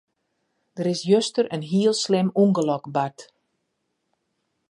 Der is juster in heel slim ûngelok bard.